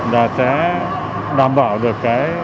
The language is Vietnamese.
đã sẽ đảm bảo được cái